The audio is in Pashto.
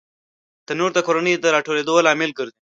تنور د کورنۍ د راټولېدو لامل ګرځي